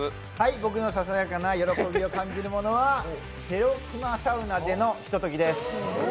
僕のささやかな喜びを感じるものはしぇろくまサウナでのひとときです。